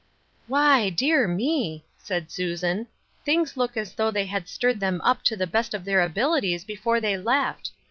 " Why, dear me !" said Susan, " things look as though they had stirred them up to the best of their abilities before they left.